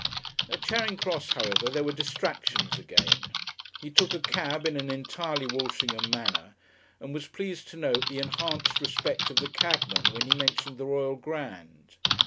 At Charing Cross, however, there were distractions again. He took a cab in an entirely Walshingham manner, and was pleased to note the enhanced respect of the cabman when he mentioned the Royal Grand.